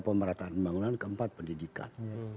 pemerintahan pembangunan keempat pendidikan